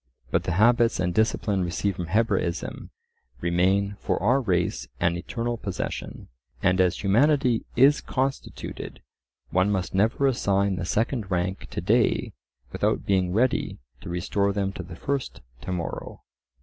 But the habits and discipline received from Hebraism remain for our race an eternal possession. And as humanity is constituted, one must never assign the second rank to day without being ready to restore them to the first to morrow."